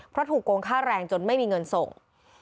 เพราะถูกโกงค่าแรงจนไม่มีเงินส่ง